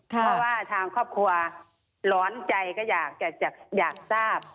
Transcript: เพราะว่าทางครอบครัวร้อนใจก็อยากทราบ